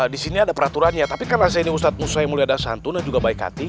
di sini ada peraturannya tapi karena saya ini ustadz musa yang mulia dasantun dan juga baik hati